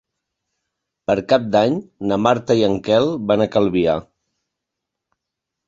Per Cap d'Any na Marta i en Quel van a Calvià.